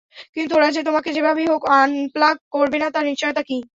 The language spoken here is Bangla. কিন্তু, ওরা যে তোমাকে যেভাবেই হোক আনপ্লাগ করবে না তার নিশ্চয়তা কী?